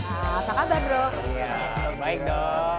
apa kabar bro ya baik dong